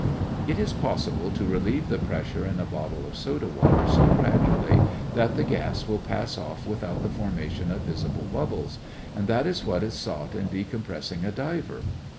It is possible to relieve the pressure in a bottle of soda water so gradually that the gas will pass off without the formation of visible bubbles, and that is what is sought in decompressing a diver.